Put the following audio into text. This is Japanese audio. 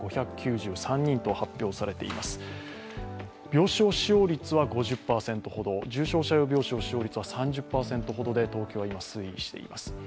病床使用率は５０％ほど、病床使用率は３０％ほどで東京は今、推移しています。